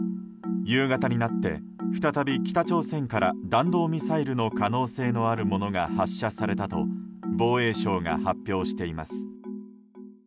夕方になって再び北朝鮮から弾道ミサイルの可能性のあるものが発射されたと防衛省が発表しています。